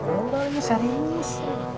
takum doang ya serius